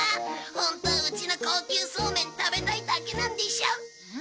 ホントはうちの高級そうめん食べたいだけなんでしょ？